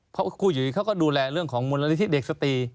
เพราะครูอยู่ดีเขาก็ดูแลเรื่องของมูลนิธิเด็กสตรี